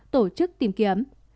tổ chức tìm kiếm